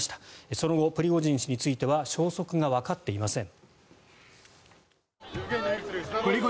その後、プリゴジン氏については消息がわかっていません。